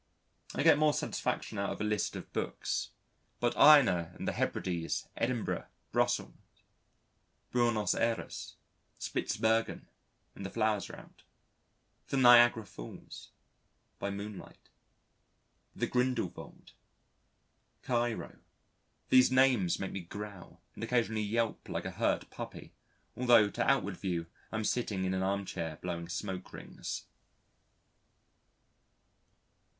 I get more satisfaction out of a list of books. But Iona and the Hebrides, Edinburgh, Brussels, Buenos Ayres, Spitzbergen (when the flowers are out), the Niagara Falls (by moonlight), the Grindelwald, Cairo these names make me growl and occasionally yelp like a hurt puppy, although to outward view I am sitting in an armchair blowing smoke rings.